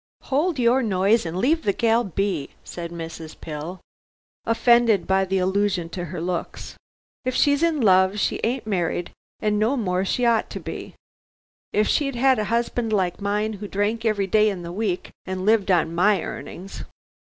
"Hold your noise and leave the gal be," said Mrs. Pill, offended by the allusion to her looks, "if she's in love she ain't married, and no more she ought to be; if she'd had a husband like mine, who drank every day in the week and lived on my earnings.